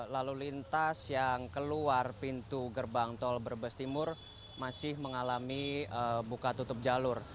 lalu lintas yang keluar pintu gerbang tol brebes timur masih mengalami buka tutup jalur